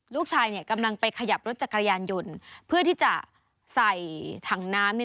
กำลังไปขยับรถจักรยานยนต์เพื่อที่จะใส่ถังน้ำ